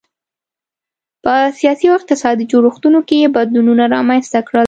په سیاسي او اقتصادي جوړښتونو کې یې بدلونونه رامنځته کړل.